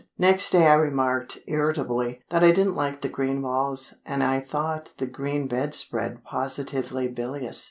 Next day I remarked, irritably, that I didn't like the green walls, and I thought the green bedspread positively bilious.